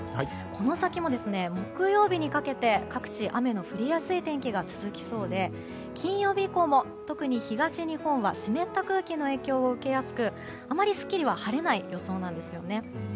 この先も木曜日にかけて各地、雨の降りやすい天気が続きそうで金曜日以降も特に東日本は湿った空気の影響を受けやすくあまりスッキリ晴れない予想なんです。